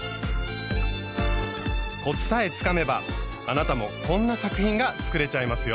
コツさえつかめばあなたもこんな作品が作れちゃいますよ。